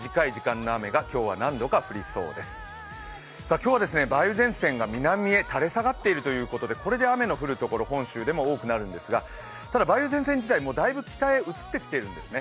今日は梅雨前線が南へ垂れ下がっているということでこれで雨の降るところ本州でも多くなるんですが、ただ梅雨前線自体、だいぶ北へ移ってきてるんですね。